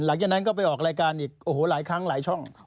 หลังจากนั้นก็ไปออกรายการอีกโอ้โหหลายครั้งหลายช่อง